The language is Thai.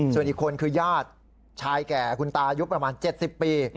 ส่วนอีกคนคือญาติชายแก่คุณตายุคประมาณ๗๐ปี